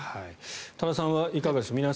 多田さんはいかがでしょうか。